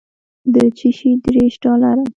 د چشي دېرش ډالره.